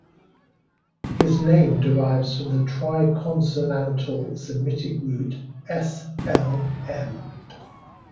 His name derives from the triconsonantal Semitic root S-L-M.